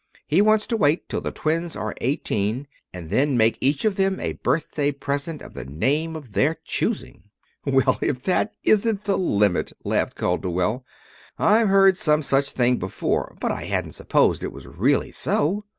He wants to wait till the twins are eighteen, and then make each of them a birthday present of the name of their own choosing." "Well, if that isn't the limit!" laughed Calderwell. "I'd heard some such thing before, but I hadn't supposed it was really so."